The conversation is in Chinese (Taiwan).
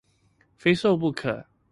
非瘦不可